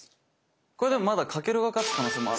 これでもまだ翔が勝つ可能性もある？